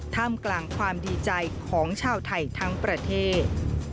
ท่ามกลางความดีใจของชาวไทยทั้งประเทศ